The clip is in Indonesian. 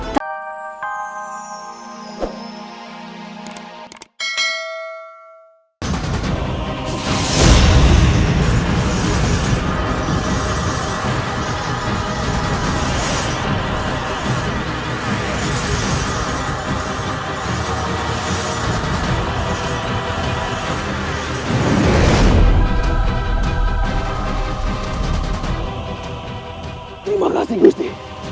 terima kasih gusti